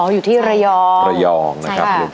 อยู่ที่ระยองระยองนะครับ